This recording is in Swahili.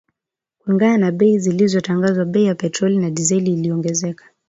Kulingana na bei zilizotangazwa bei ya petroli na dizeli iliongezeka